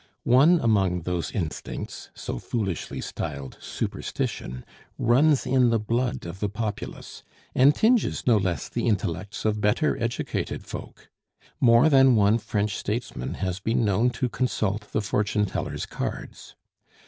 One among those instincts, so foolishly styled "superstition," runs in the blood of the populace, and tinges no less the intellects of better educated folk. More than one French statesman has been known to consult the fortune teller's cards.